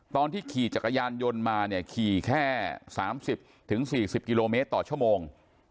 ตอนที่ขี่จักรยานยนต์มาเนี่ยขี่แค่สามสิบถึงสี่สิบกิโลเมตรต่อชั่วโมง